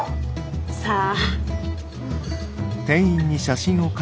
さあ。